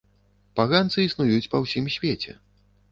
Паганцы існуюць па ўсім свеце.